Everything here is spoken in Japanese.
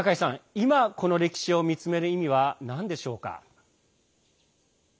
今、この歴史を見つめる意味はなんでしょうか？